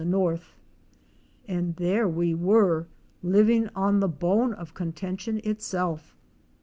99 the north. And there we were living on the bone of con tention itself.